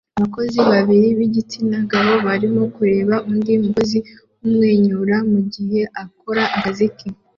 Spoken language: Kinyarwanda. Abakozi babiri b'igitsina gabo barimo kureba undi mukozi w'umwenyura mu gihe akora akazi ke